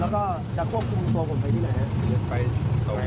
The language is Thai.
แล้วก็จะควบคุมตัวผมไปที่ไหนครับ